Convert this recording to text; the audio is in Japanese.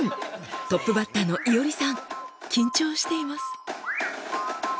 トップバッターのいおりさん緊張しています。